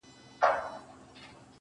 په څو ساعته دې د سترگو باڼه و نه رپي,